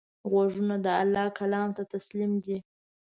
غوږونه د الله کلام ته تسلیم دي